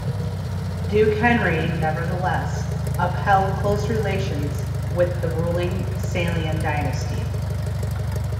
Duke Henry nevertheless upheld close relations with the ruling Salian dynasty.